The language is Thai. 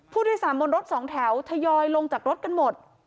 ผู้โดยสารบนรถสองแถวทยอยลงจากรถกันหมด